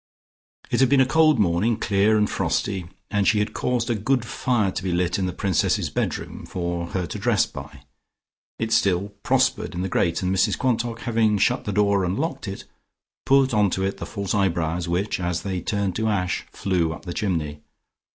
It had been a cold morning, clear and frosty, and she had caused a good fire to be lit in the Princess's bedroom, for her to dress by. It still prospered in the grate, and Mrs Quantock, having shut the door and locked it, put on to it the false eyebrows, which, as they turned to ash, flew up the chimney.